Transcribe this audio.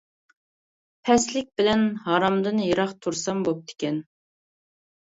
پەسلىك بىلەن ھارامدىن يىراق تۇرسام بوپتىكەن.